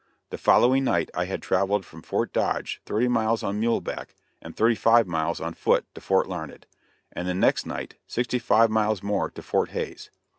The following night I had traveled from Fort Dodge thirty miles on muleback and thirty five miles on foot to Fort Larned; and the next night sixty five miles more to Fort Hays.